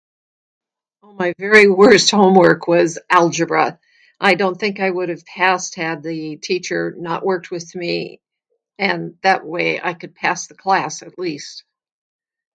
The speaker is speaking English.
My very worst homework was algebra. I don't think I would have passed had the teacher not worked with me, and that way I could pass the class at least.